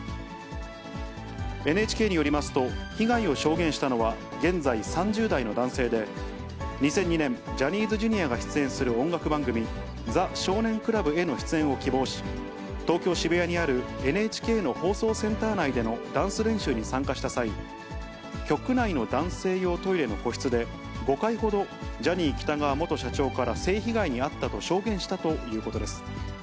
ＮＨＫによりますと、被害を証言したのは現在３０代の男性で、２００２年、ジャニーズＪｒ．が出演する音楽番組、ザ少年倶楽部への出演を希望し、東京・渋谷にあるＮＨＫの放送センター内でのダンス練習に参加した際、局内の男性用トイレの個室で、５回ほどジャニー喜多川元社長から性被害に遭ったと証言したということです。